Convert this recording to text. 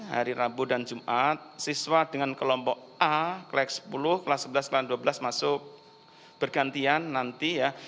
hari rabu dan jumat siswa dengan kelompok a kelas sepuluh kelas sebelas kelas dua belas masuk bergantian nanti ya